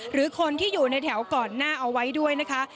หรือคนที่อยู่ในแถวก่อนหน้าเอาไว้ด้วยนะคะ